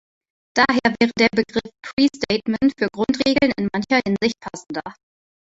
Daher wäre der Begriff „Pre-Statement“ für Grundregeln in mancher Hinsicht passender.